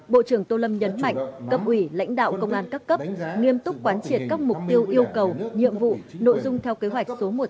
bộ trưởng tô lâm nhấn mạnh cấp ủy lãnh đạo công an cấp cấp nghiêm túc quán triệt các mục tiêu yêu cầu nhiệm vụ nội dung theo kế hoạch số một trăm bảy mươi ba của bộ